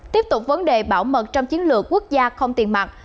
tiếp tục vấn đề bảo mật trong chiến lược quốc gia không tiền mặt